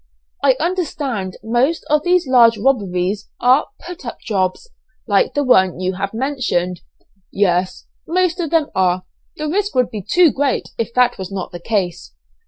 "I understand, most of these large robberies are 'put up' jobs, like the one you have mentioned?" "Yes, most of them are; the risk would be too great if that was not the case."